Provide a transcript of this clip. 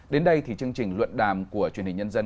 đến đây thì chương trình luận đàm của truyền hình nhân dân